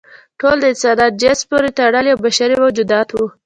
ټول د انسان جنس پورې تړلي او بشري موجودات وو.